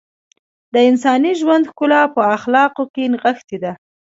د انساني ژوند ښکلا په اخلاقو کې نغښتې ده .